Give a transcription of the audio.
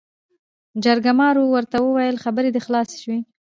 جرګمارو ورته وويل خبرې دې خلاصې شوې ؟